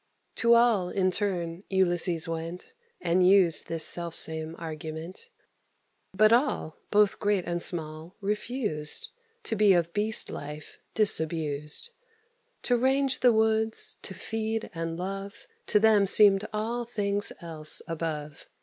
To all, in turn, Ulysses went, And used this selfsame argument. But all, both great and small, refused To be of beast life disabused. To range the woods, to feed and love, To them seemed all things else above.